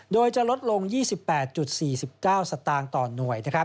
โดยจะลดลง๒๘๔๙สตางค์ต่อหน่วย